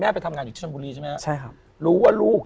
แม่ไปทำงานอีกในชนบุรีใช่ไหมครับ